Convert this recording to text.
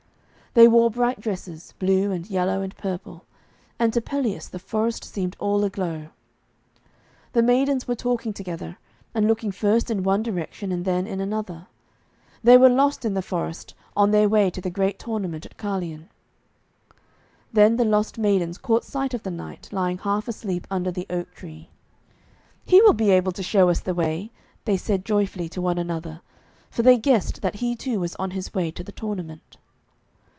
They wore bright dresses, blue and yellow and purple, and to Pelleas the forest seemed all aglow. The maidens were talking together, and looking first in one direction and then in another. They were lost in the forest, on their way to the great tournament at Carleon. Then the lost maidens caught sight of the knight, lying half asleep under the oak tree. 'He will be able to show us the way,' they said joyfully to one another, for they guessed that he too was on his way to the tournament.